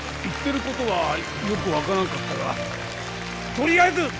言ってることはよく分からんかったがとりあえずブラボー！